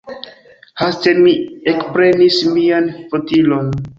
Haste mi ekprenis mian fotilon.